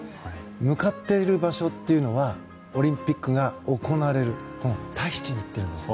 向かっている場所っていうのはオリンピックが行われるタヒチに行っているんです。